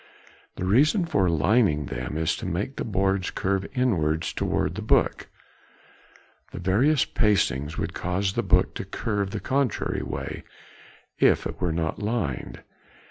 The reason for lining them is to make the boards curve inwards towards the book. The various pastings would cause the board to curve the contrary way if it were not lined.